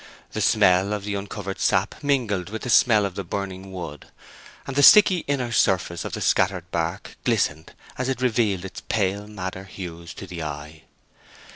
The smell of the uncovered sap mingled with the smell of the burning wood, and the sticky inner surface of the scattered bark glistened as it revealed its pale madder hues to the eye.